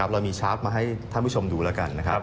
เรามีชาร์ฟมาให้ท่านผู้ชมดูแล้วกันนะครับ